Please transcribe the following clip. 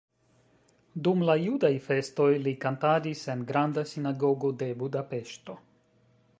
Dum la judaj festoj li kantadis en Granda Sinagogo de Budapeŝto.